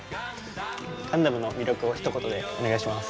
「ガンダム」の魅力をひと言でお願いします。